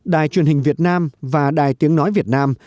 đài truyền hình việt nam và đài tiếng nói việt nam